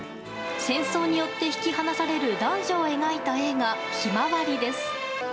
戦争によって引き離される男女を描いた映画「ひまわり」です。